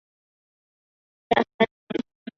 雅塞内。